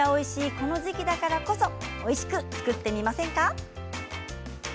この時期だからこそおいしく作ってみませんか。